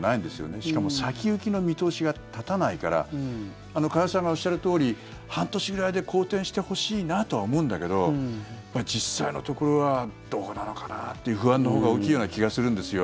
しかも先行きの見通しが立たないから加谷さんがおっしゃるとおり半年ぐらいで好転してほしいなとは思うんだけど実際のところはどうなのかなっていう不安のほうが大きいような気がするんですよ。